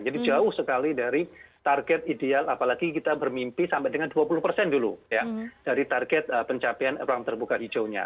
jadi jauh sekali dari target ideal apalagi kita bermimpi sampai dengan dua puluh persen dulu ya dari target pencapaian ruang terbuka hijaunya